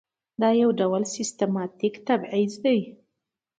دا یو ډول سیستماتیک تبعیض دی.